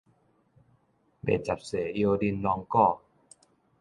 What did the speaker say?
賣雜細，搖玲瑯鼓